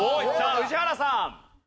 宇治原さん。